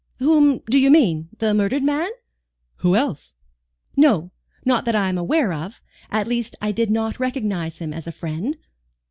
"Whom do you mean? The murdered man?" "Who else?" "No, not that I am aware of. At least I did not recognize him as a friend."